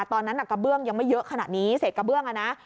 กระเบื้องยังไม่เยอะขนาดนี้เศษกระเบื้องอ่ะนะ